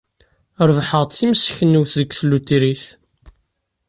Rebḥeɣ-d timseknewt deg tlutrit.